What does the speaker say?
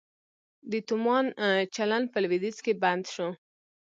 د تومان چلند په لویدیځ کې بند شو؟